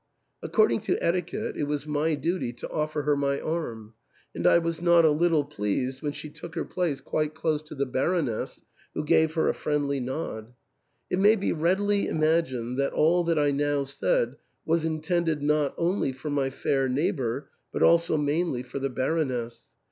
Ac cording to etiquette, it was my duty to offer her my arm, and I was not a little pleased when she took her place quite close to the Baroness, who gave her a friendly nod. It may be readily imagined that all that I now said was intended not only for my fair neighbour, but also mainly for the Baroness.